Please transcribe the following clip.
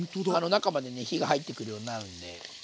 中まで火が入ってくるようになるんで。